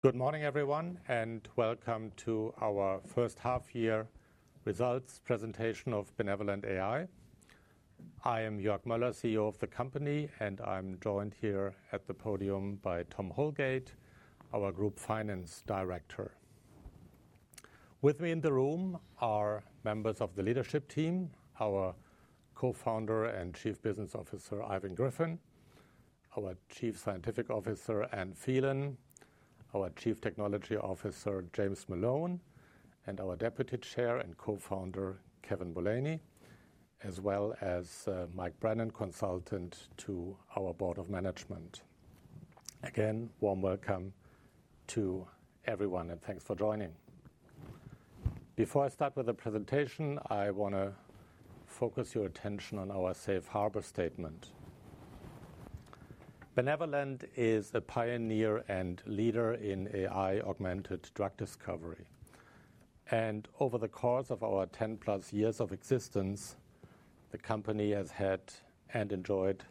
Good morning, everyone, and welcome to our first half year results presentation of BenevolentAI. I am Joerg Moeller, CEO of the company, and I'm joined here at the podium by Tom Holgate, our group finance director. With me in the room are members of the leadership team, our Co-Founder and Chief Business Officer, Ivan Griffin; our Chief Scientific Officer, Anne Phelan; our Chief Technology Officer, James Malone; and our Deputy Chair and Co-Founder, Kenneth Mulvany, as well as Mike Brennan, Consultant to our Board of Management. Again, warm welcome to everyone, and thanks for joining. Before I start with the presentation, I wanna focus your attention on our safe harbor statement. Benevolent is a pioneer and leader in AI-augmented drug discovery, and over the course of our ten-plus years of existence, the company has had and enjoyed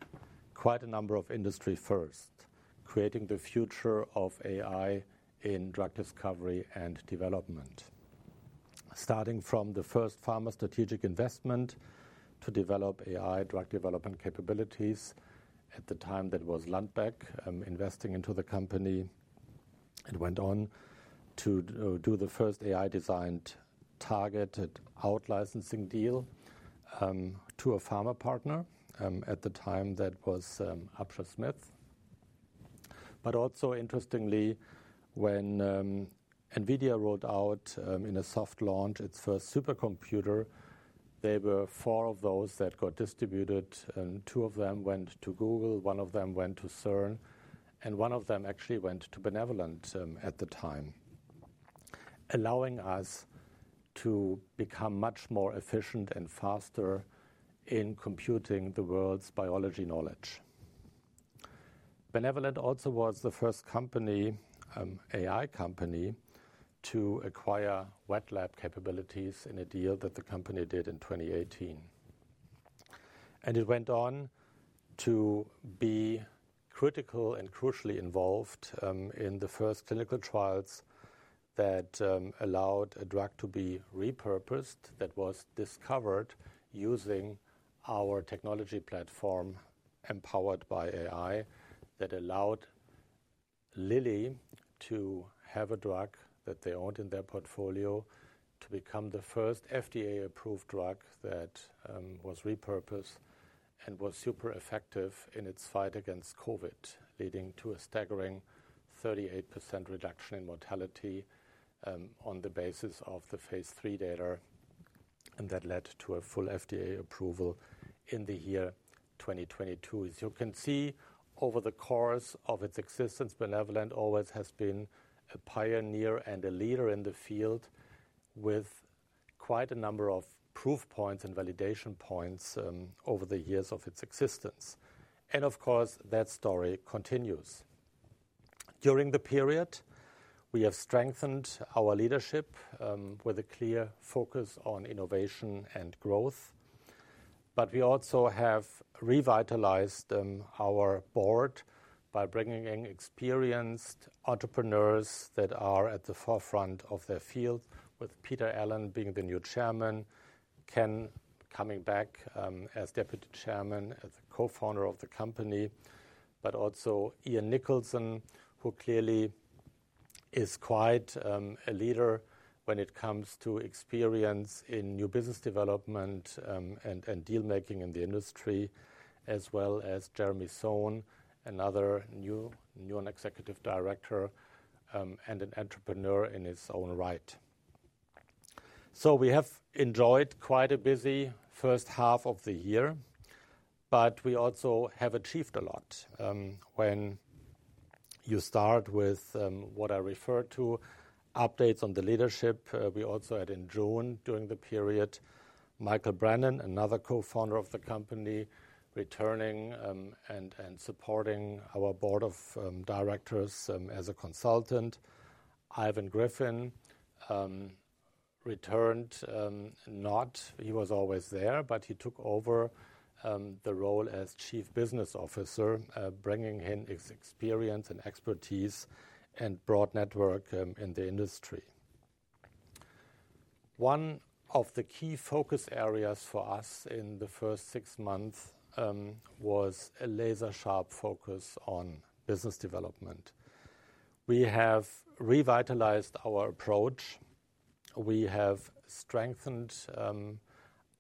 quite a number of industry firsts, creating the future of AI in drug discovery and development. Starting from the first pharma strategic investment to develop AI drug development capabilities. At the time, that was Lundbeck, investing into the company, and went on to do the first AI-designed targeted out-licensing deal, to a pharma partner, at the time, that was AstraZeneca. But also interestingly, when NVIDIA rolled out, in a soft launch, its first supercomputer, there were four of those that got distributed, and two of them went to Google, one of them went to CERN, and one of them actually went to Benevolent, at the time, allowing us to become much more efficient and faster in computing the world's biology knowledge. Benevolent also was the first company, AI company, to acquire wet lab capabilities in a deal that the company did in 2018. And it went on to be critical and crucially involved in the first clinical trials that allowed a drug to be repurposed, that was discovered using our technology platform, empowered by AI, that allowed Lilly to have a drug that they owned in their portfolio to become the first FDA-approved drug that was repurposed and was super effective in its fight against COVID, leading to a staggering 38% reduction in mortality on the basis of the phase III data, and that led to a full FDA approval in the year 2022. As you can see, over the course of its existence, Benevolent always has been a pioneer and a leader in the field, with quite a number of proof points and validation points over the years of its existence, and of course, that story continues. During the period, we have strengthened our leadership with a clear focus on innovation and growth, but we also have revitalized our board by bringing in experienced entrepreneurs that are at the forefront of their field, with Peter Allen being the new Chairman, Ken coming back as Deputy Chairman as a Co-Founder of the company, but also Ian Nicholson, who clearly is quite a leader when it comes to experience in new business development and deal making in the industry, as well as Jeremy Sohn, another new Executive Director and an entrepreneur in his own right. So we have enjoyed quite a busy first half of the year, but we also have achieved a lot. When you start with what I refer to updates on the leadership, we also had in June, during the period, Michael Brennan, another Co-Founder of the company, returning and supporting our Board of Directors as a consultant. Ivan Griffin returned. He was always there, but he took over the role as Chief Business Officer, bringing in his experience and expertise and broad network in the industry. One of the key focus areas for us in the first six months was a laser-sharp focus on business development. We have revitalized our approach. We have strengthened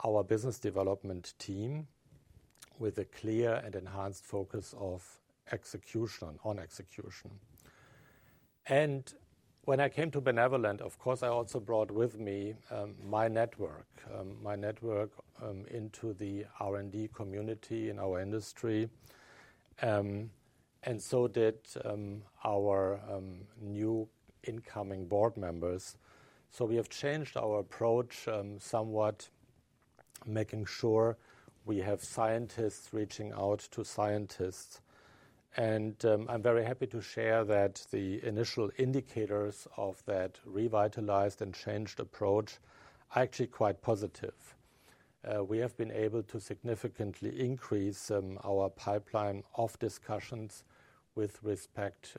our business development team with a clear and enhanced focus of execution, on execution. When I came to Benevolent, of course, I also brought with me my network into the R&D community in our industry, and so did our new incoming board members. We have changed our approach somewhat, making sure we have scientists reaching out to scientists. I'm very happy to share that the initial indicators of that revitalized and changed approach are actually quite positive. We have been able to significantly increase our pipeline of discussions with respect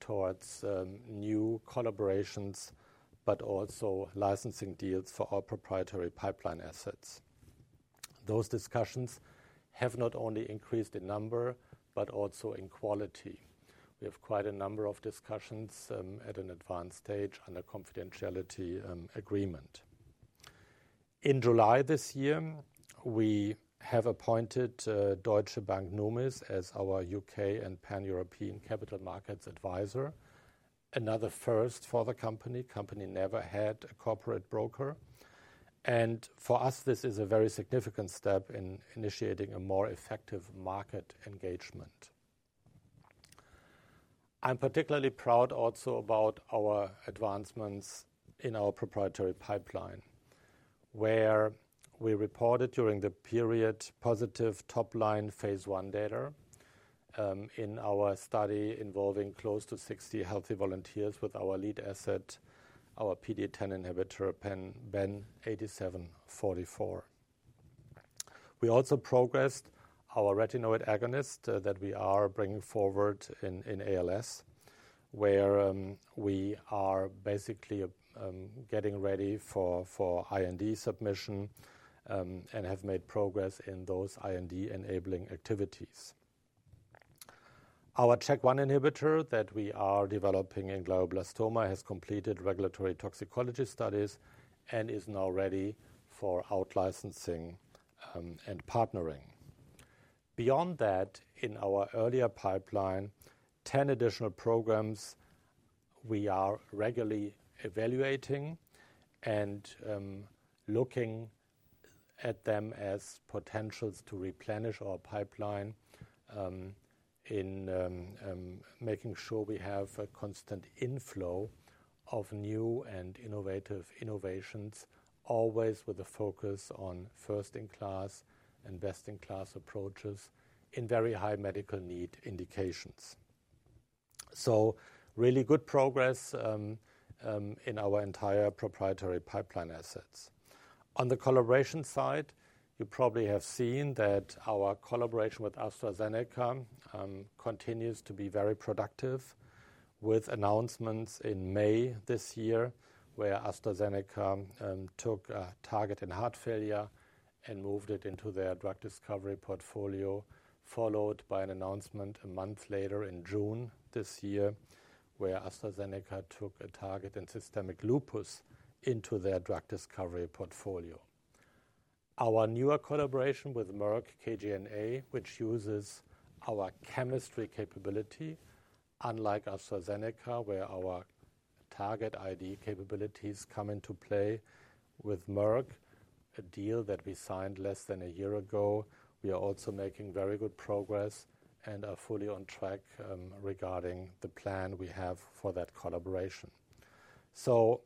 towards new collaborations, but also licensing deals for our proprietary pipeline assets. Those discussions have not only increased in number, but also in quality. We have quite a number of discussions at an advanced stage under confidentiality agreement. In July this year, we have appointed Deutsche Numis as our U.K. and Pan-European capital markets advisor. Another first for the company. Company never had a corporate broker, and for us, this is a very significant step in initiating a more effective market engagement. I'm particularly proud also about our advancements in our proprietary pipeline, where we reported during the period positive top line phase I data in our study involving close to 60 healthy volunteers with our lead asset, our PDE10 inhibitor, BEN-8744. We also progressed our retinoid agonist that we are bringing forward in ALS, where we are basically getting ready for IND submission and have made progress in those IND-enabling activities. Our CHK1 inhibitor that we are developing in glioblastoma has completed regulatory toxicology studies and is now ready for out-licensing and partnering. Beyond that, in our earlier pipeline, ten additional programs we are regularly evaluating and, looking at them as potentials to replenish our pipeline, in, making sure we have a constant inflow of new and innovative innovations, always with a focus on first-in-class and best-in-class approaches in very high medical need indications. So really good progress, in our entire proprietary pipeline assets. On the collaboration side, you probably have seen that our collaboration with AstraZeneca, continues to be very productive, with announcements in May this year, where AstraZeneca, took a target in heart failure and moved it into their drug discovery portfolio, followed by an announcement a month later in June this year, where AstraZeneca took a target in systemic lupus into their drug discovery portfolio. Our newer collaboration with Merck KGaA, which uses our chemistry capability, unlike AstraZeneca, where our target ID capabilities come into play, with Merck, a deal that we signed less than a year ago, we are also making very good progress and are fully on track, regarding the plan we have for that collaboration. So,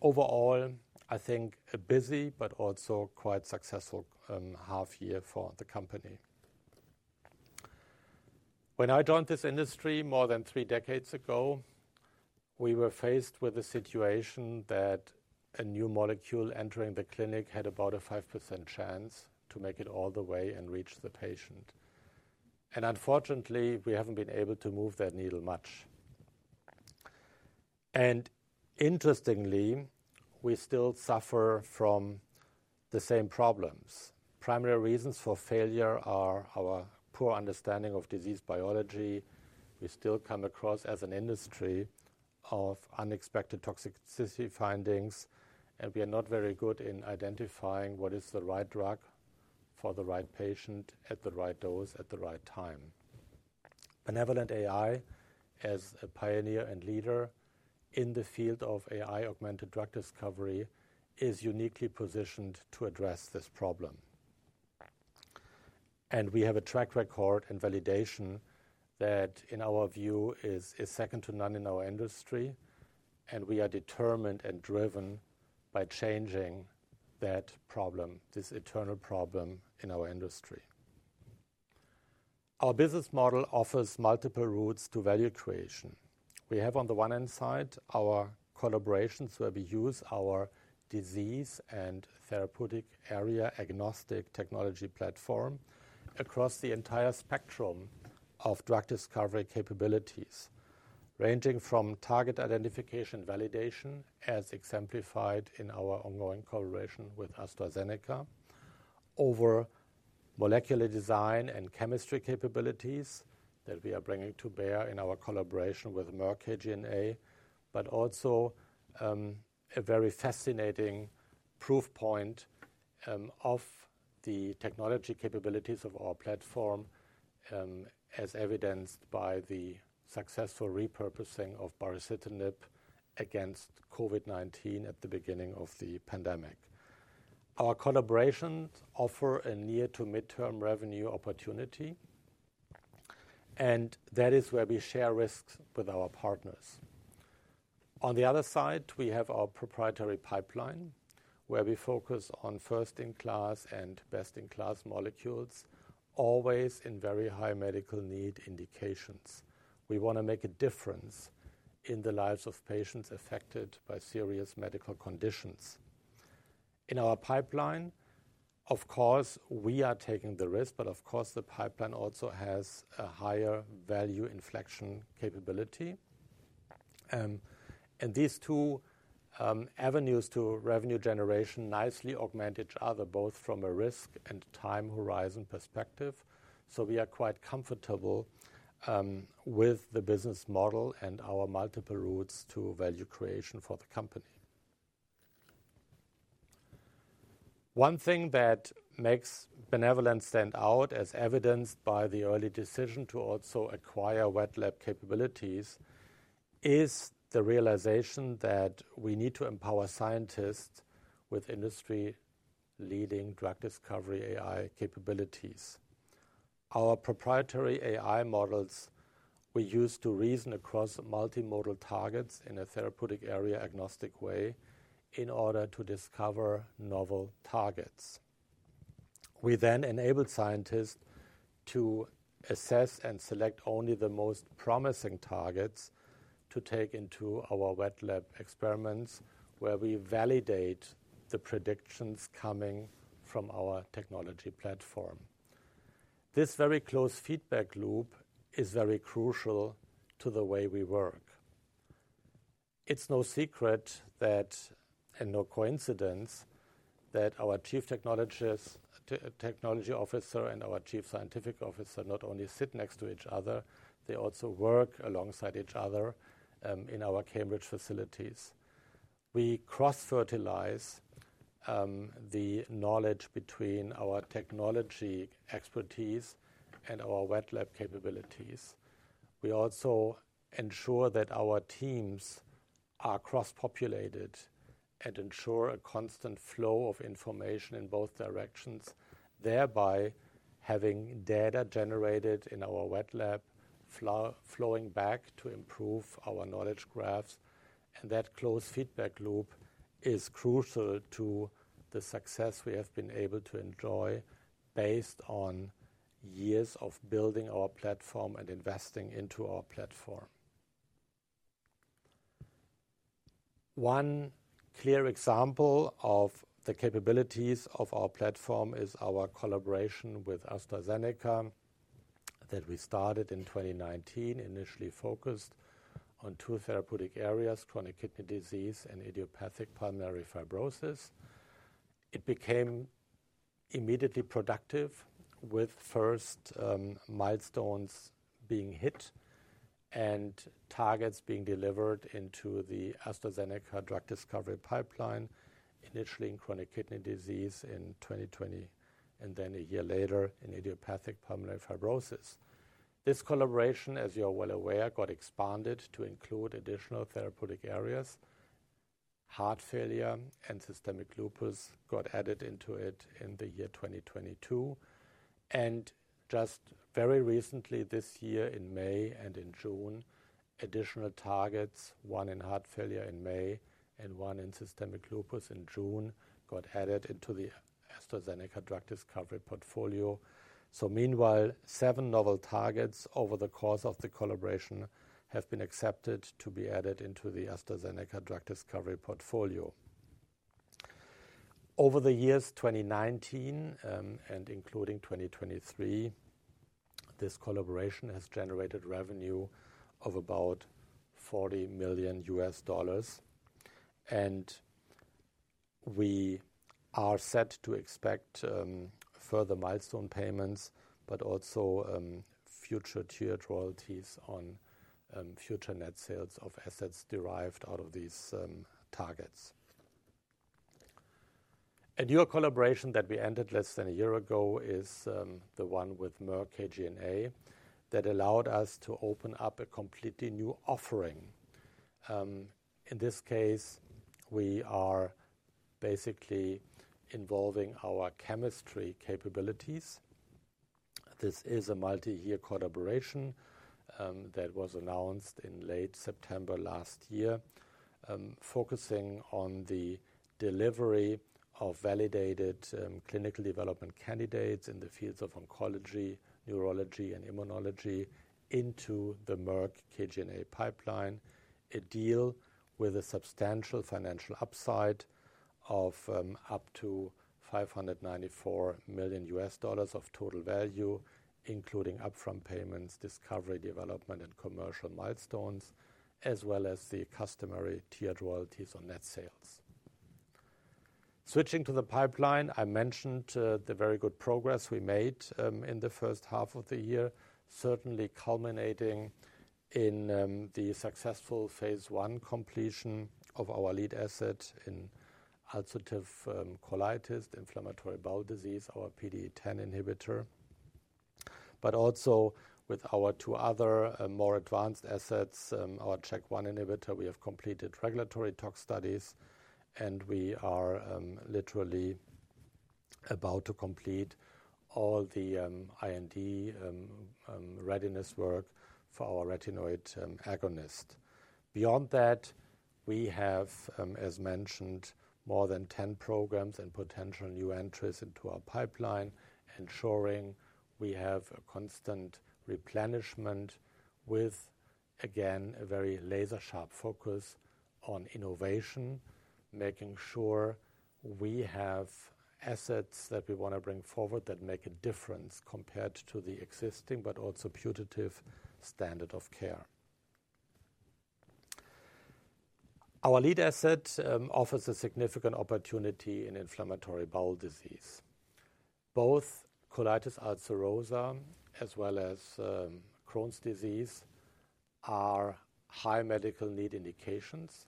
overall, I think a busy but also quite successful, half year for the company. When I joined this industry more than three decades ago, we were faced with a situation that a new molecule entering the clinic had about a 5% chance to make it all the way and reach the patient, and unfortunately, we haven't been able to move that needle much. And interestingly, we still suffer from the same problems. Primary reasons for failure are our poor understanding of disease biology. We still come across, as an industry, of unexpected toxicity findings, and we are not very good in identifying what is the right drug for the right patient, at the right dose, at the right time. BenevolentAI, as a pioneer and leader in the field of AI-augmented drug discovery, is uniquely positioned to address this problem. And we have a track record and validation that, in our view, is second to none in our industry, and we are determined and driven by changing that problem, this eternal problem in our industry. Our business model offers multiple routes to value creation. We have, on the one hand side, our collaborations, where we use our disease and therapeutic area-agnostic technology platform across the entire spectrum of drug discovery capabilities, ranging from target identification validation, as exemplified in our ongoing collaboration with AstraZeneca, over molecular design and chemistry capabilities that we are bringing to bear in our collaboration with Merck KGaA. But also, a very fascinating proof point, of the technology capabilities of our platform, as evidenced by the successful repurposing of baricitinib against COVID-19 at the beginning of the pandemic. Our collaborations offer a near to mid-term revenue opportunity, and that is where we share risks with our partners. On the other side, we have our proprietary pipeline, where we focus on first-in-class and best-in-class molecules, always in very high medical need indications.... We want to make a difference in the lives of patients affected by serious medical conditions. In our pipeline, of course, we are taking the risk, but of course, the pipeline also has a higher value inflection capability and these two avenues to revenue generation nicely augment each other, both from a risk and time horizon perspective so we are quite comfortable with the business model and our multiple routes to value creation for the company. One thing that makes Benevolent stand out, as evidenced by the early decision to also acquire wet lab capabilities, is the realization that we need to empower scientists with industry-leading drug discovery AI capabilities. Our proprietary AI models, we use to reason across multimodal targets in a therapeutic area, agnostic way, in order to discover novel targets. We then enable scientists to assess and select only the most promising targets to take into our wet lab experiments, where we validate the predictions coming from our technology platform. This very close feedback loop is very crucial to the way we work. It's no secret that, and no coincidence, that our Chief Technology Officer and our Chief Scientific Officer not only sit next to each other, they also work alongside each other in our Cambridge facilities. We cross-fertilize the knowledge between our technology expertise and our wet lab capabilities. We also ensure that our teams are cross-populated and ensure a constant flow of information in both directions, thereby having data generated in our wet lab flow, flowing back to improve our knowledge graphs. That closed feedback loop is crucial to the success we have been able to enjoy based on years of building our platform and investing into our platform. One clear example of the capabilities of our platform is our collaboration with AstraZeneca that we started in 2019, initially focused on two therapeutic areas: chronic kidney disease and idiopathic pulmonary fibrosis. It became immediately productive, with first milestones being hit and targets being delivered into the AstraZeneca drug discovery pipeline, initially in chronic kidney disease in 2020, and then a year later, in idiopathic pulmonary fibrosis. This collaboration, as you are well aware, got expanded to include additional therapeutic areas. Heart failure and systemic lupus got added into it in the year 2022, and just very recently, this year, in May and in June, additional targets, one in heart failure in May and one in systemic lupus in June, got added into the AstraZeneca drug discovery portfolio. Meanwhile, seven novel targets over the course of the collaboration have been accepted to be added into the AstraZeneca drug discovery portfolio. Over the years 2019 and including 2023, this collaboration has generated revenue of about $40 million, and we are set to expect further milestone payments, but also future tiered royalties on future net sales of assets derived out of these targets. A newer collaboration that we ended less than a year ago is the one with Merck KGaA, that allowed us to open up a completely new offering. In this case, we are basically involving our chemistry capabilities. This is a multi-year collaboration that was announced in late September last year, focusing on the delivery of validated clinical development candidates in the fields of oncology, neurology, and immunology into the Merck KGaA pipeline. A deal with a substantial financial upside of up to $594 million of total value, including upfront payments, discovery, development, and commercial milestones, as well as the customary tiered royalties on net sales. Switching to the pipeline, I mentioned the very good progress we made in the first half of the year, certainly culminating in the successful phase I completion of our lead asset in ulcerative colitis, inflammatory bowel disease, our PDE10 inhibitor. But also with our two other more advanced assets, our CHK1 inhibitor, we have completed regulatory tox studies, and we are literally about to complete all the IND readiness work for our retinoid agonist. Beyond that, we have, as mentioned, more than ten programs and potential new entries into our pipeline, ensuring we have a constant replenishment with, again, a very laser-sharp focus on innovation, making sure we have assets that we want to bring forward that make a difference compared to the existing but also putative standard of care. Our lead asset offers a significant opportunity in inflammatory bowel disease. Both ulcerative colitis as well as Crohn's disease are high medical need indications.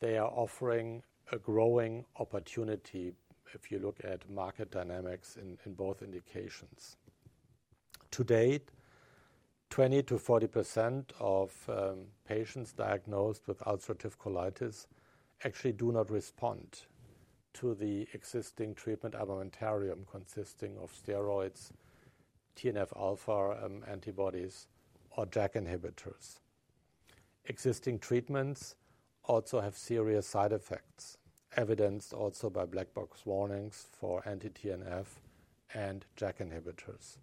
They are offering a growing opportunity if you look at market dynamics in both indications. To date, 20%-40% of patients diagnosed with ulcerative colitis actually do not respond to the existing treatment armamentarium, consisting of steroids, TNF-alpha antibodies, or JAK inhibitors. Existing treatments also have serious side effects, evidenced also by black box warnings for anti-TNF and JAK inhibitors.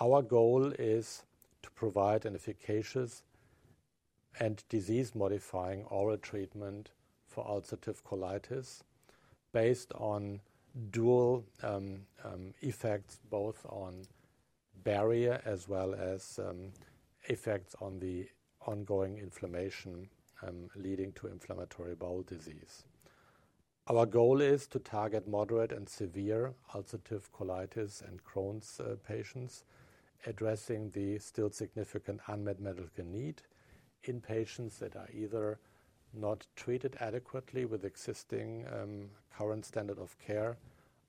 Our goal is to provide an efficacious and disease-modifying oral treatment for ulcerative colitis based on dual effects, both on barrier as well as effects on the ongoing inflammation leading to inflammatory bowel disease. Our goal is to target moderate and severe ulcerative colitis and Crohn's patients, addressing the still significant unmet medical need in patients that are either not treated adequately with existing current standard of care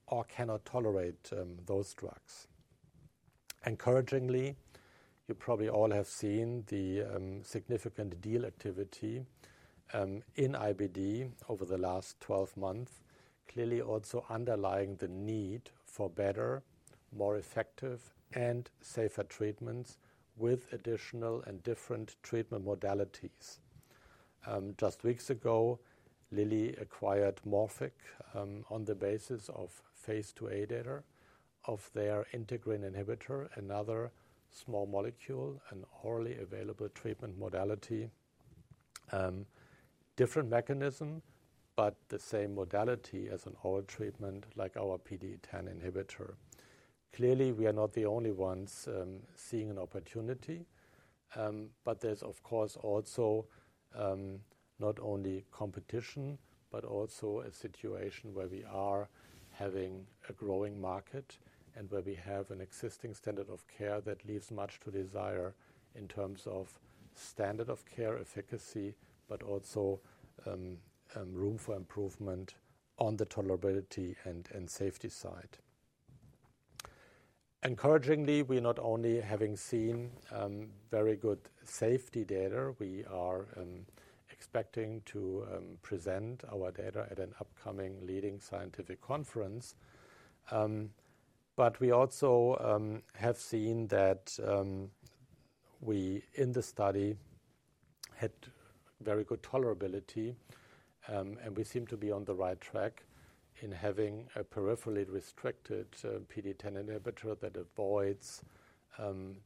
or cannot tolerate those drugs. Encouragingly, you probably all have seen the significant deal activity in IBD over the last twelve months, clearly also underlying the need for better, more effective, and safer treatments with additional and different treatment modalities. Just weeks ago, Lilly acquired Morphic on the basis of phase II-A data of their integrin inhibitor, another small molecule and orally available treatment modality. Different mechanism, but the same modality as an oral treatment like our PDE10 inhibitor. Clearly, we are not the only ones seeing an opportunity, but there's of course also not only competition, but also a situation where we are having a growing market and where we have an existing standard of care that leaves much to desire in terms of standard of care efficacy, but also room for improvement on the tolerability and safety side. Encouragingly, we're not only having seen very good safety data, we are expecting to present our data at an upcoming leading scientific conference. But we also have seen that we in the study had very good tolerability and we seem to be on the right track in having a peripherally restricted PDE10 inhibitor that avoids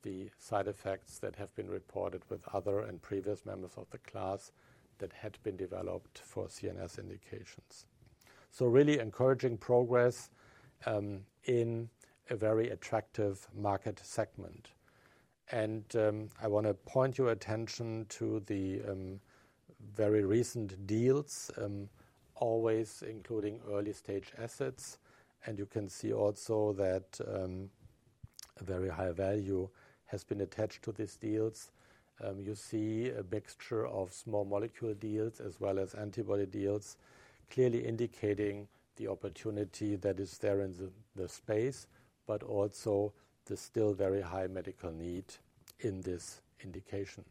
the side effects that have been reported with other and previous members of the class that had been developed for CNS indications. So really encouraging progress in a very attractive market segment. And I want to point your attention to the very recent deals always including early-stage assets. And you can see also that a very high value has been attached to these deals. You see a mixture of small molecule deals as well as antibody deals, clearly indicating the opportunity that is there in the space, but also the still very high medical need in this indication.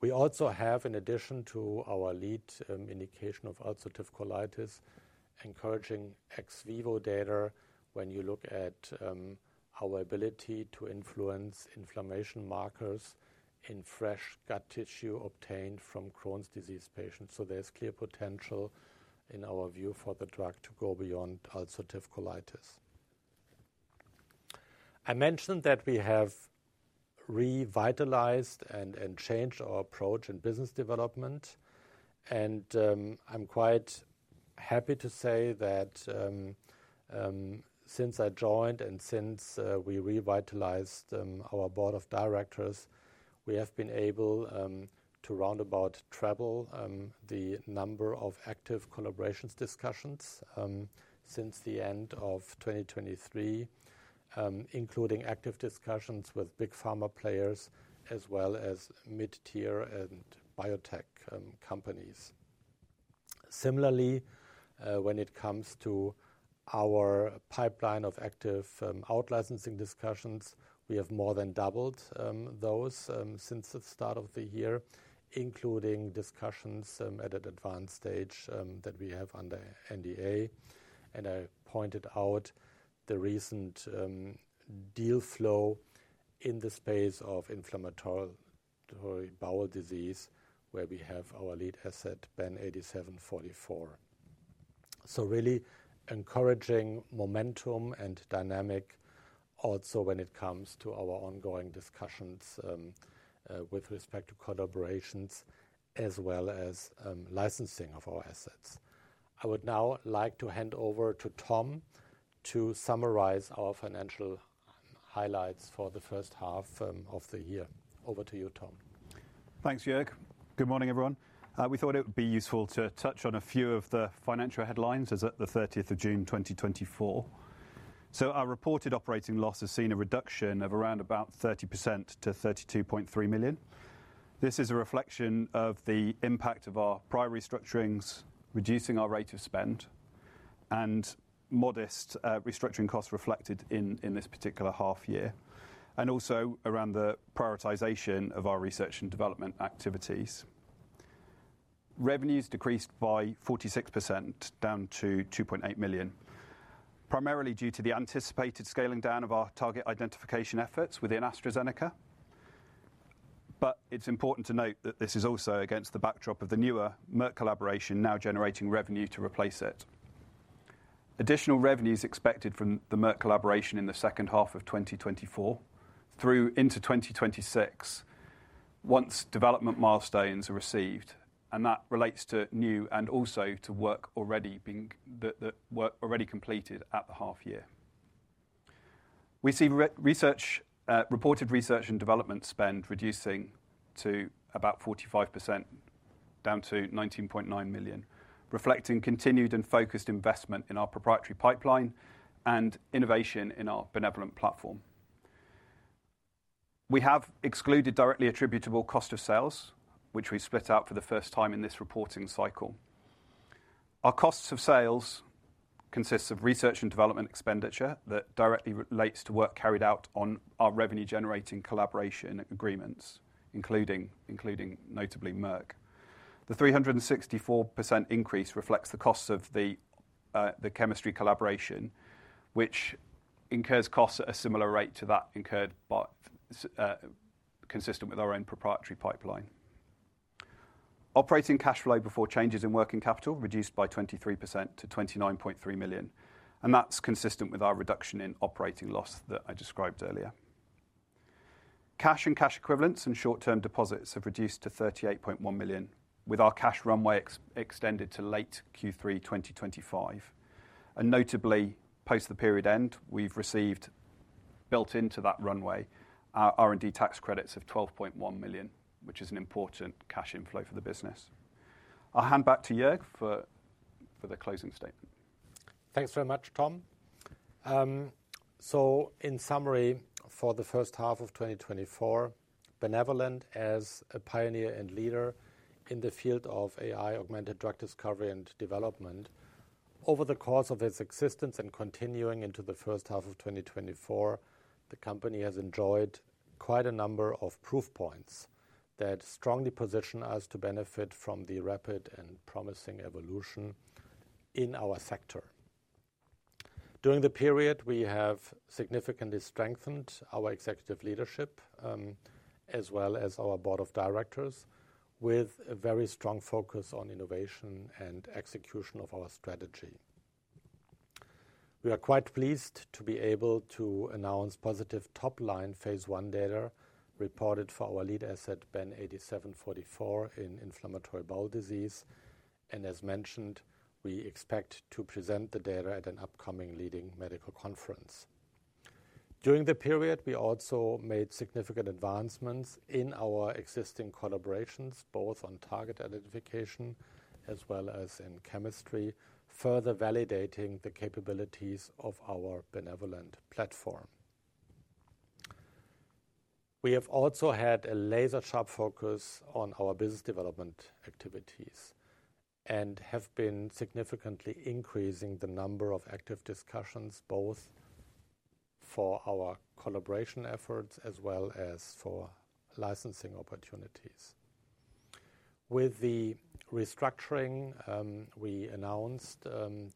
We also have, in addition to our lead indication of ulcerative colitis, encouraging ex vivo data when you look at our ability to influence inflammation markers in fresh gut tissue obtained from Crohn's disease patients. So there's clear potential in our view for the drug to go beyond ulcerative colitis. I mentioned that we have revitalized and changed our approach in business development, and I'm quite happy to say that since I joined and since we revitalized our board of directors, we have been able to roundabout treble the number of active collaborations discussions since the end of 2023, including active discussions with big pharma players as well as mid-tier and biotech companies. Similarly, when it comes to our pipeline of active out-licensing discussions, we have more than doubled those since the start of the year, including discussions at an advanced stage that we have under NDA. And I pointed out the recent deal flow in the space of inflammatory bowel disease, where we have our lead asset, BEN-8744. So really encouraging momentum and dynamic also when it comes to our ongoing discussions with respect to collaborations as well as licensing of our assets. I would now like to hand over to Tom to summarize our financial highlights for the first half of the year. Over to you, Tom. Thanks, Joerg. Good morning, everyone. We thought it would be useful to touch on a few of the financial headlines as at the thirtieth of June 2024. Our reported operating loss has seen a reduction of around about 30% to 32.3 million. This is a reflection of the impact of our prior restructurings, reducing our rate of spend and modest restructuring costs reflected in this particular half year, and also around the prioritization of our research and development activities. Revenues decreased by 46%, down to 2.8 million, primarily due to the anticipated scaling down of our target identification efforts within AstraZeneca. It's important to note that this is also against the backdrop of the newer Merck collaboration, now generating revenue to replace it. Additional revenue is expected from the Merck collaboration in the second half of 2024 through into 2026, once development milestones are received, and that relates to new and also to work that were already completed at the half year. We see reported research and development spend reducing to about 45%, down to 19.9 million, reflecting continued and focused investment in our proprietary pipeline and innovation in our Benevolent Platform. We have excluded directly attributable cost of sales, which we split out for the first time in this reporting cycle. Our costs of sales consists of research and development expenditure that directly relates to work carried out on our revenue-generating collaboration agreements, including notably, Merck. The 364% increase reflects the costs of the, the chemistry collaboration, which incurs costs at a similar rate to that incurred by, consistent with our own proprietary pipeline. Operating cash flow before changes in working capital reduced by 23% to 29.3 million, and that's consistent with our reduction in operating loss that I described earlier. Cash and cash equivalents and short-term deposits have reduced to 38.1 million, with our cash runway extended to late Q3, 2025. Notably, post the period end, we've received, built into that runway, our R&D tax credits of 12.1 million, which is an important cash inflow for the business. I'll hand back to Joerg for the closing statement. Thanks very much, Tom. So in summary, for the first half of 2024, Benevolent, as a pioneer and leader in the field of AI-augmented drug discovery and development, over the course of its existence and continuing into the first half of 2024, the company has enjoyed quite a number of proof points that strongly position us to benefit from the rapid and promising evolution in our sector. During the period, we have significantly strengthened our executive leadership, as well as our board of directors, with a very strong focus on innovation and execution of our strategy. We are quite pleased to be able to announce positive top-line phase I data reported for our lead asset, BEN-8744, in inflammatory bowel disease, and as mentioned, we expect to present the data at an upcoming leading medical conference. During the period, we also made significant advancements in our existing collaborations, both on target identification as well as in chemistry, further validating the capabilities of our Benevolent Platform. We have also had a laser-sharp focus on our business development activities and have been significantly increasing the number of active discussions, both for our collaboration efforts as well as for licensing opportunities. With the restructuring we announced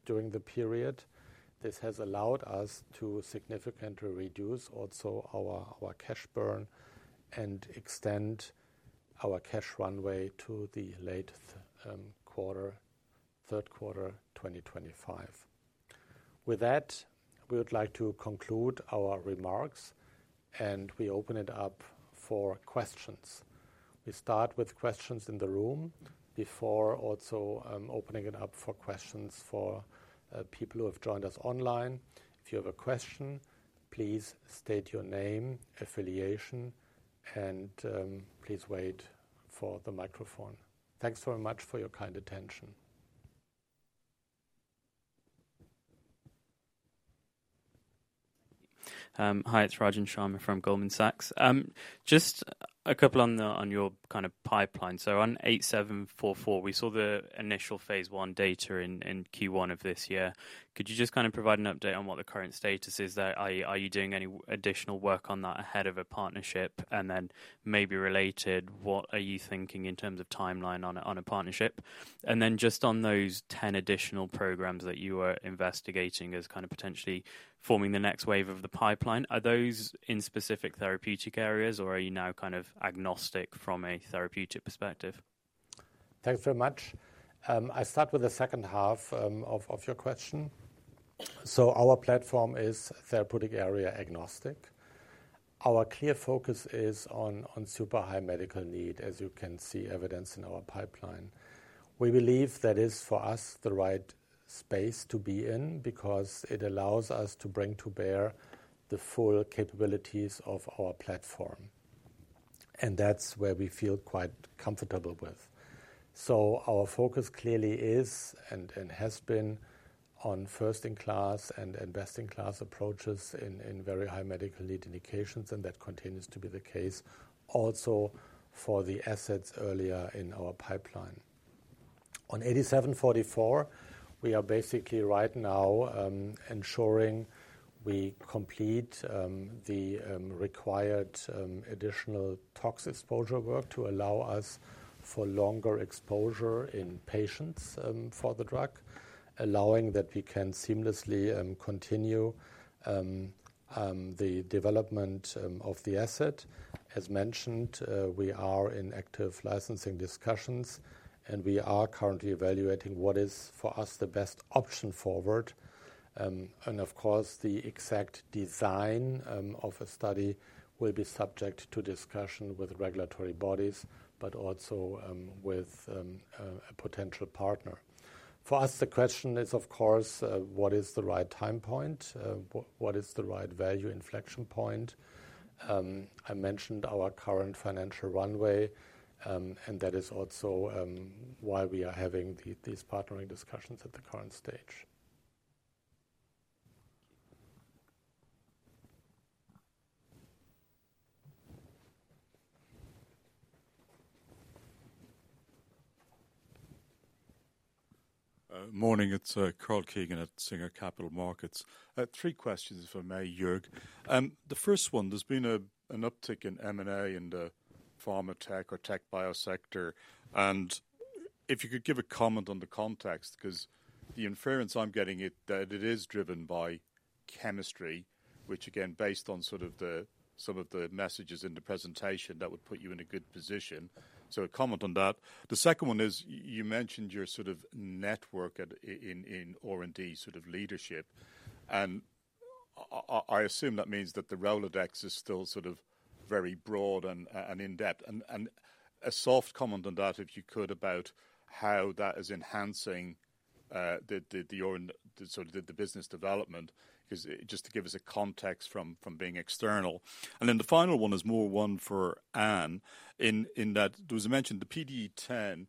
during the period, this has allowed us to significantly reduce also our, our cash burn and extend our cash runway to the late third quarter 2025. With that, we would like to conclude our remarks, and we open it up for questions. We start with questions in the room before also opening it up for questions for people who have joined us online. If you have a question, please state your name, affiliation, and please wait for the microphone. Thanks very much for your kind attention. Hi, it's Rajan Sharma from Goldman Sachs. Just a couple on your kind of pipeline. So on 8744, we saw the initial phase one data in Q1 of this year. Could you just kind of provide an update on what the current status is there? Are you doing any additional work on that ahead of a partnership? And then maybe related, what are you thinking in terms of timeline on a partnership? And then just on those 10 additional programs that you are investigating as kind of potentially forming the next wave of the pipeline, are those in specific therapeutic areas, or are you now kind of agnostic from a therapeutic perspective? Thanks very much. I'll start with the second half of your question. So our platform is therapeutic area agnostic. Our clear focus is on super high medical need, as you can see evidenced in our pipeline. We believe that is, for us, the right space to be in because it allows us to bring to bear the full capabilities of our platform, and that's where we feel quite comfortable with. So our focus clearly is, and has been, on first-in-class and best-in-class approaches in very high medical need indications, and that continues to be the case also for the assets earlier in our pipeline. On 8744, we are basically right now ensuring we complete the required additional tox exposure work to allow us for longer exposure in patients for the drug, allowing that we can seamlessly continue the development of the asset. As mentioned, we are in active licensing discussions, and we are currently evaluating what is, for us, the best option forward, and of course, the exact design of a study will be subject to discussion with regulatory bodies but also with a potential partner. For us, the question is, of course, what is the right time point? What is the right value inflection point? I mentioned our current financial runway, and that is also why we are having these partnering discussions at the current stage. Morning, it's Karl Keegan at Singer Capital Markets. I have three questions, if I may, Joerg. The first one, there's been an uptick in M&A in the pharma tech or tech bio sector, and if you could give a comment on the context, 'cause the inference I'm getting is that it is driven by chemistry, which again, based on sort of some of the messages in the presentation, that would put you in a good position. So a comment on that. The second one is, you mentioned your sort of network at in R&D, sort of leadership, and I assume that means that the Rolodex is still sort of very broad and in-depth. And a soft comment on that, if you could, about how that is enhancing the org... Sort of the business development, 'cause it just to give us a context from being external. And then the final one is more one for Anne, in that there was a mention of the PDE10.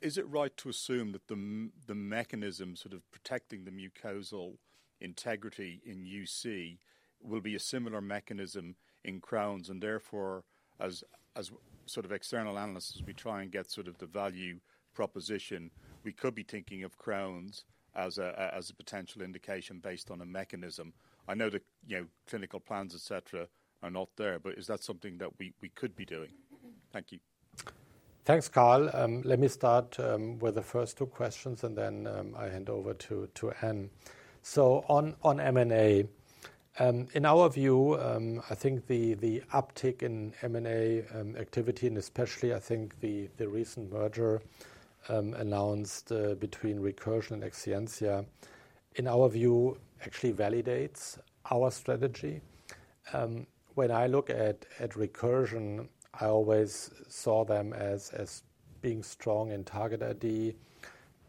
Is it right to assume that the mechanism sort of protecting the mucosal integrity in UC will be a similar mechanism in Crohn's, and therefore, as sort of external analysts, as we try and get sort of the value proposition, we could be thinking of Crohn's as a potential indication based on a mechanism. I know the, you know, clinical plans, et cetera, are not there, but is that something that we could be doing? Thank you. Thanks, Karl. Let me start with the first two questions, and then I hand over to Anne. So on M&A, in our view, I think the uptick in M&A activity, and especially I think the recent merger announced between Recursion and Exscientia, in our view, actually validates our strategy. When I look at Recursion, I always saw them as being strong in target ID.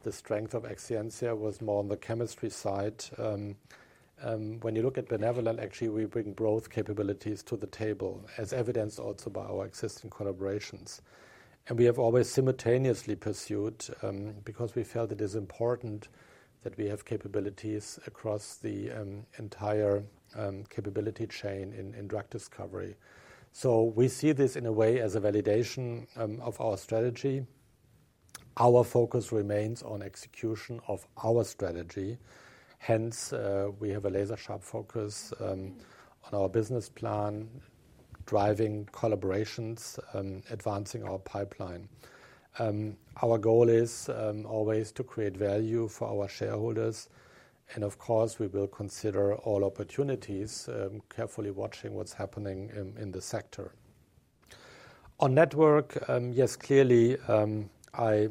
The strength of Exscientia was more on the chemistry side. When you look at Benevolent, actually, we bring both capabilities to the table, as evidenced also by our existing collaborations, and we have always simultaneously pursued, because we felt it is important that we have capabilities across the entire capability chain in drug discovery. So we see this in a way as a validation of our strategy. Our focus remains on execution of our strategy. Hence, we have a laser-sharp focus on our business plan, driving collaborations, advancing our pipeline. Our goal is always to create value for our shareholders, and of course, we will consider all opportunities, carefully watching what's happening in the sector. On network, yes, clearly, I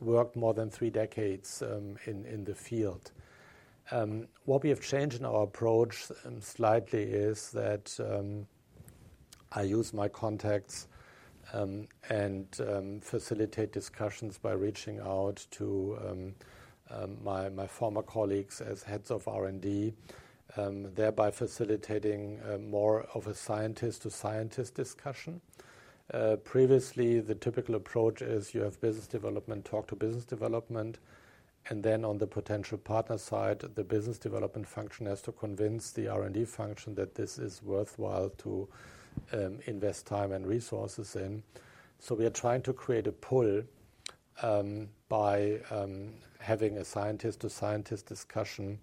worked more than three decades in the field. What we have changed in our approach slightly is that I use my contacts and facilitate discussions by reaching out to my former colleagues as heads of R&D, thereby facilitating more of a scientist-to-scientist discussion. Previously, the typical approach is you have business development talk to business development, and then on the potential partner side, the business development function has to convince the R&D function that this is worthwhile to invest time and resources in, so we are trying to create a pull by having a scientist-to-scientist discussion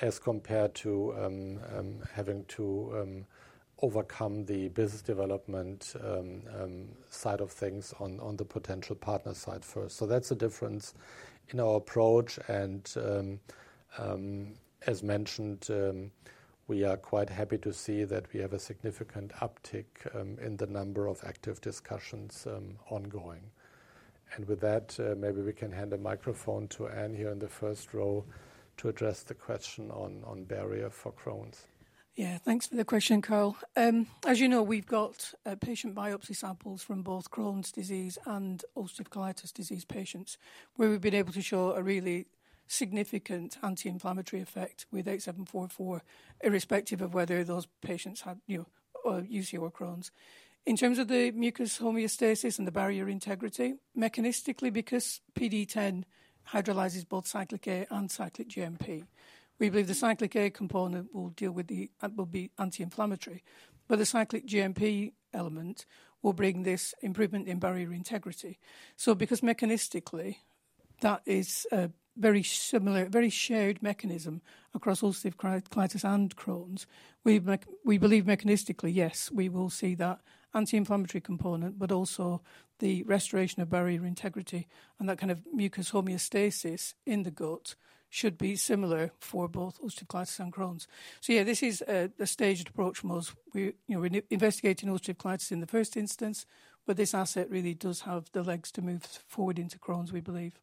as compared to having to overcome the business development side of things on the potential partner side first, so that's the difference in our approach, and as mentioned, we are quite happy to see that we have a significant uptick in the number of active discussions ongoing, and with that, maybe we can hand the microphone to Anne here in the first row to address the question on barrier for Crohn's. Yeah, thanks for the question, Karl. As you know, we've got patient biopsy samples from both Crohn's disease and ulcerative colitis disease patients, where we've been able to show a really significant anti-inflammatory effect with 8744, irrespective of whether those patients had, you know, UC or Crohn's. In terms of the mucus homeostasis and the barrier integrity, mechanistically, because PDE10 hydrolyzes both cyclic A and cyclic GMP, we believe the cyclic A component will deal with the will be anti-inflammatory, but the cyclic GMP element will bring this improvement in barrier integrity. So because mechanistically, that is a very similar, very shared mechanism across ulcerative colitis and Crohn's, we believe mechanistically, yes, we will see that anti-inflammatory component, but also the restoration of barrier integrity and that kind of mucus homeostasis in the gut should be similar for both ulcerative colitis and Crohn's. So yeah, this is a staged approach from us. We're, you know, we're investigating ulcerative colitis in the first instance, but this asset really does have the legs to move forward into Crohn's, we believe.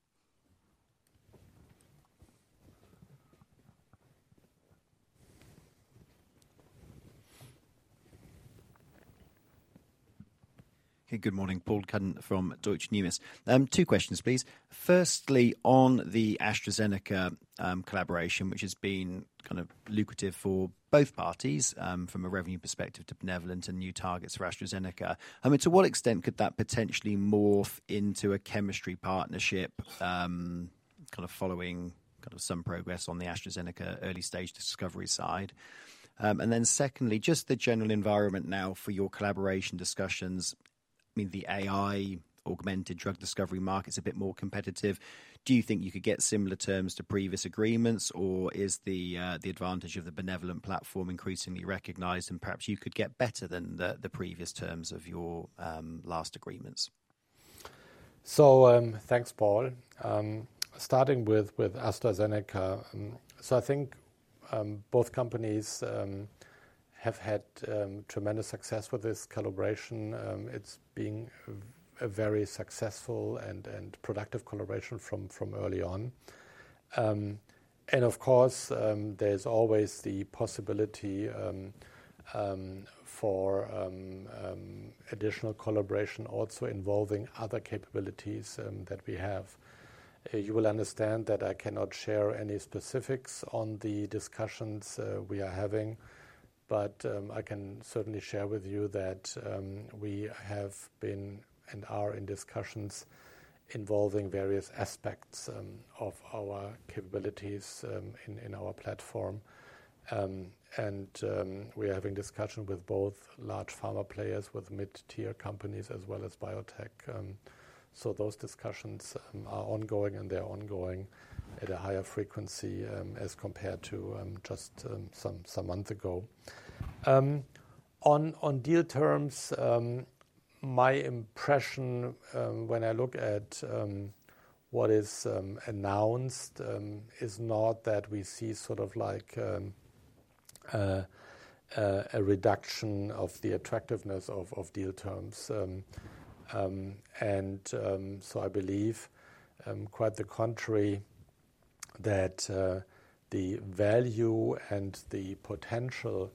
Okay, good morning. Paul Cuddon from Deutsche Numis. Two questions, please. Firstly, on the AstraZeneca collaboration, which has been kind of lucrative for both parties, from a revenue perspective to Benevolent and new targets for AstraZeneca, I mean, to what extent could that potentially morph into a chemistry partnership, kind of following kind of some progress on the AstraZeneca early-stage discovery side? And then secondly, just the general environment now for your collaboration discussions, I mean, the AI augmented drug discovery market is a bit more competitive. Do you think you could get similar terms to previous agreements, or is the advantage of the Benevolent platform increasingly recognized, and perhaps you could get better than the previous terms of your last agreements? Thanks, Paul. Starting with AstraZeneca, so I think both companies have had tremendous success with this collaboration. It's been a very successful and productive collaboration from early on. And of course, there's always the possibility for additional collaboration also involving other capabilities that we have. You will understand that I cannot share any specifics on the discussions we are having, but I can certainly share with you that we have been and are in discussions involving various aspects of our capabilities in our platform. We are having discussion with both large pharma players, with mid-tier companies, as well as biotech. So those discussions are ongoing, and they're ongoing at a higher frequency, as compared to just some months ago. On deal terms, my impression when I look at what is announced is not that we see sort of like a reduction of the attractiveness of deal terms. And so I believe quite the contrary, that the value and the potential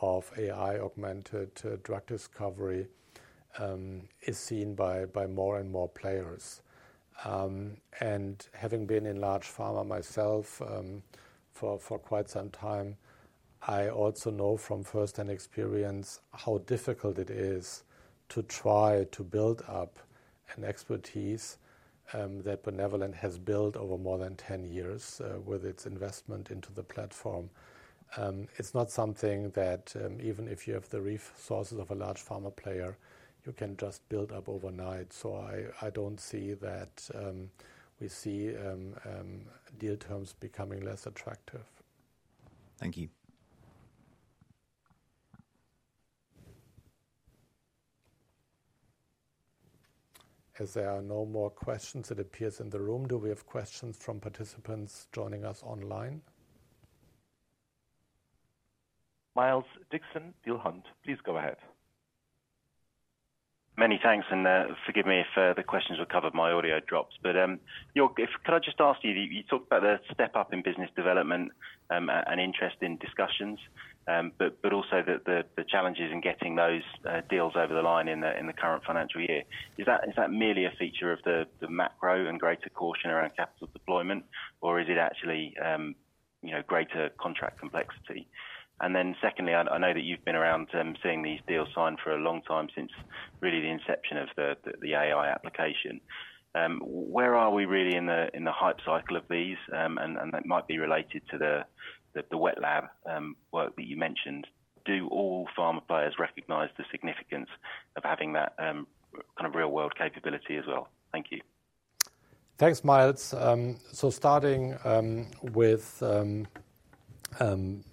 of AI-augmented drug discovery is seen by more and more players. And having been in large pharma myself, for quite some time, I also know from first-hand experience how difficult it is to try to build up an expertise that Benevolent has built over more than 10 years with its investment into the platform. It's not something that even if you have the resources of a large pharma player, you can just build up overnight. So I don't see that. We see deal terms becoming less attractive. Thank you. As there are no more questions, it appears in the room. Do we have questions from participants joining us online? Miles Dixon, Peel Hunt, please go ahead. Many thanks, and, forgive me if, the questions were covered, my audio dropped. But, Joerg, if I can just ask you, you talked about the step up in business development, and interest in discussions, but also the challenges in getting those deals over the line in the current financial year. Is that merely a feature of the macro and greater caution around capital deployment, or is it actually, you know, greater contract complexity? And then secondly, I know that you've been around, seeing these deals signed for a long time, since really the inception of the AI application. Where are we really in the hype cycle of these? And that might be related to the wet lab work that you mentioned. Do all pharma players recognize the significance of having that, kind of real-world capability as well? Thank you. Thanks, Miles. So starting with time horizon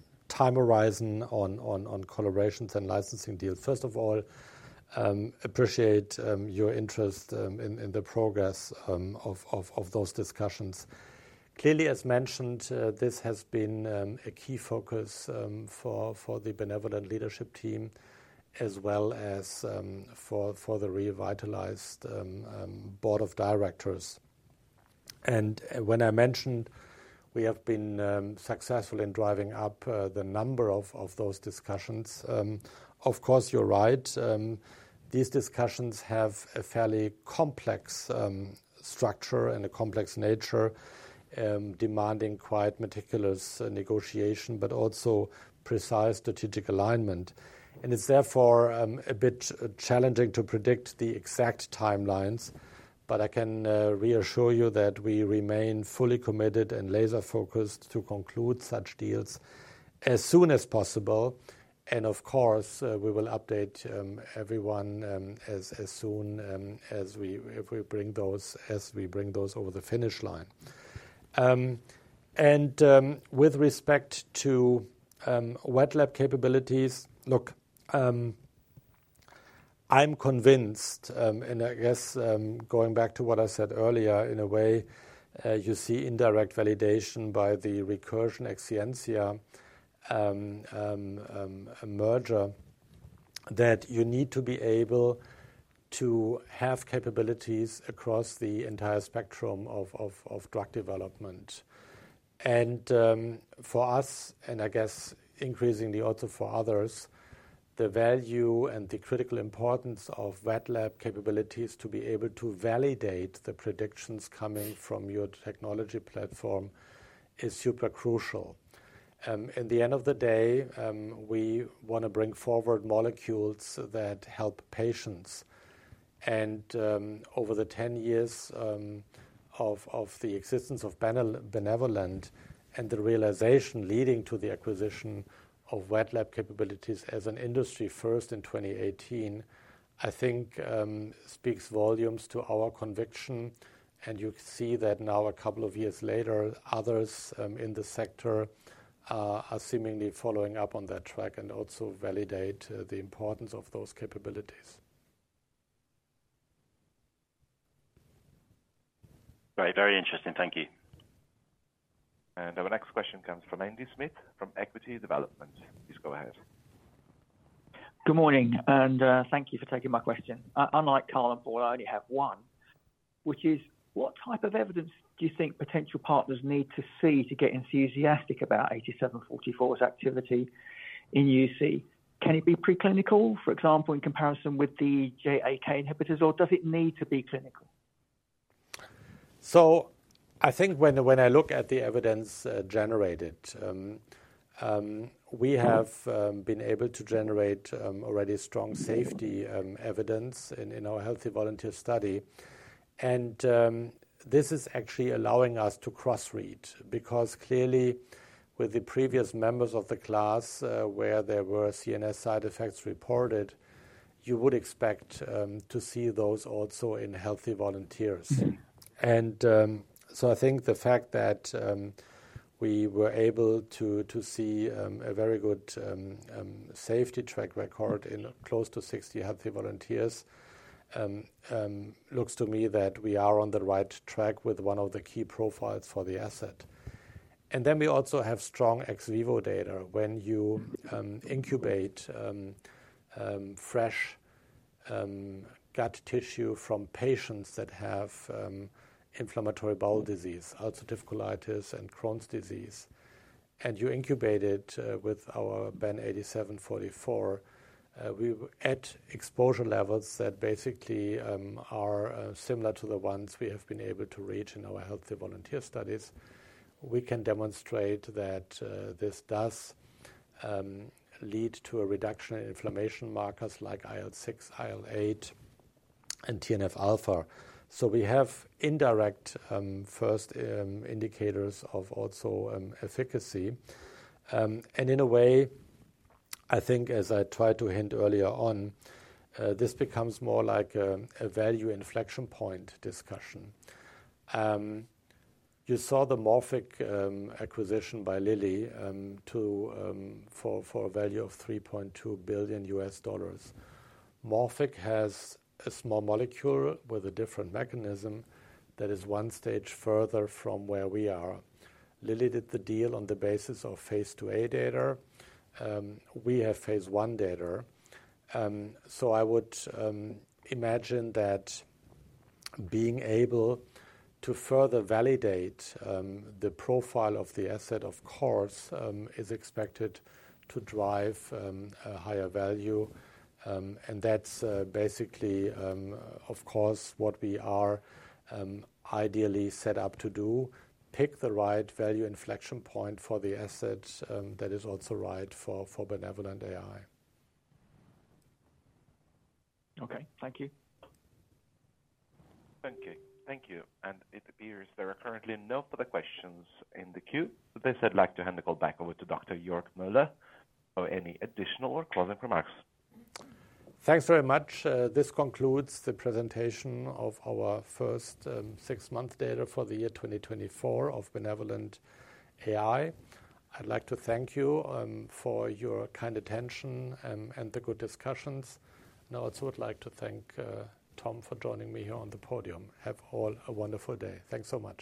on collaborations and licensing deals. First of all, appreciate your interest in the progress of those discussions. Clearly, as mentioned, this has been a key focus for the Benevolent leadership team, as well as for the revitalized board of directors. And when I mentioned we have been successful in driving up the number of those discussions, of course, you're right. These discussions have a fairly complex structure and a complex nature, demanding quite meticulous negotiation, but also precise strategic alignment. And it's therefore a bit challenging to predict the exact timelines, but I can reassure you that we remain fully committed and laser-focused to conclude such deals as soon as possible. And of course, we will update everyone as soon as we bring those over the finish line. With respect to wet lab capabilities, look, I'm convinced, and I guess going back to what I said earlier, in a way, you see indirect validation by the Recursion Exscientia merger that you need to be able to have capabilities across the entire spectrum of drug development. For us, and I guess increasingly also for others, the value and the critical importance of wet lab capabilities to be able to validate the predictions coming from your technology platform is super crucial. At the end of the day, we wanna bring forward molecules that help patients. Over the ten years of the existence of Benevolent and the realization leading to the acquisition of wet lab capabilities as an industry first in 2018, I think, speaks volumes to our conviction. You see that now, a couple of years later, others in the sector are seemingly following up on that track and also validate the importance of those capabilities. Great. Very interesting. Thank you. Our next question comes from Andy Smith, from Equity Development. Please go ahead. Good morning, and thank you for taking my question. Unlike Karl and Paul, I only have one, which is: What type of evidence do you think potential partners need to see to get enthusiastic 8744's activity in UC? Can it be preclinical, for example, in comparison with the JAK inhibitors, or does it need to be clinical? So I think when I look at the evidence generated, we have been able to generate already strong safety evidence in our healthy volunteer study. And this is actually allowing us to crossread, because clearly, with the previous members of the class, where there were CNS side effects reported, you would expect to see those also in healthy volunteers. And so I think the fact that we were able to see a very good safety track record in close to 60 healthy volunteers looks to me that we are on the right track with one of the key profiles for the asset. And then we also have strong ex vivo data. When you incubate fresh gut tissue from patients that have inflammatory bowel disease, ulcerative colitis, and Crohn's disease, and you incubate it with our BEN-8744, we, at exposure levels that basically are similar to the ones we have been able to reach in our healthy volunteer studies, can demonstrate that this does lead to a reduction in inflammation markers like IL-6, IL-8, and TNF-alpha, so we have indirect first indicators of also efficacy, and in a way, I think as I tried to hint earlier on, this becomes more like a value inflection point discussion. You saw the Morphic acquisition by Lilly for a value of $3.2 billion. Morphic has a small molecule with a different mechanism that is one stage further from where we are. Lilly did the deal on the basis of phase II-A data. We have phase I data. So I would imagine that being able to further validate the profile of the asset, of course, is expected to drive a higher value. And that's basically, of course, what we are ideally set up to do, pick the right value inflection point for the asset, that is also right for BenevolentAI. Okay, thank you. Thank you. Thank you, and it appears there are currently no further questions in the queue. With this, I'd like to hand the call back over to Dr. Joerg Moeller for any additional or closing remarks. Thanks very much. This concludes the presentation of our first six months data for the year 2024 of BenevolentAI. I'd like to thank you for your kind attention and the good discussions. And I also would like to thank Tom for joining me here on the podium. Have all a wonderful day. Thanks so much.